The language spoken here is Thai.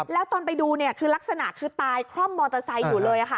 แล้วตอนไปดูคือลักษณะคือตายคล่อมมอเตอร์ไซค์อยู่เลยค่ะ